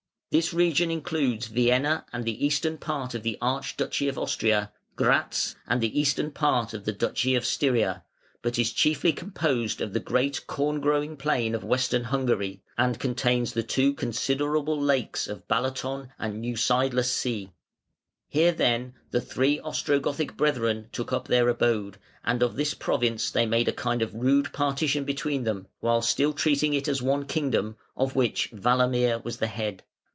This region includes Vienna and the eastern part of the Archduchy of Austria, Grätz, and the eastern part of the Duchy of Styria, but it is chiefly composed of the great corn growing plain of Western Hungary, and contains the two considerable lakes of Balaton and Neusiedler See. Here then the three Ostrogothic brethren took up their abode, and of this province they made a kind of rude partition between them, while still treating it as one kingdom, of which Walamir was the head.